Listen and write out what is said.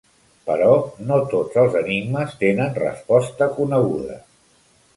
Però no tots els enigmes tenen resposta coneguda.